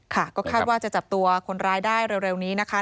ค่ะก็คาดว่าจะจับตัวคนร้ายได้เร็วนี้นะคะ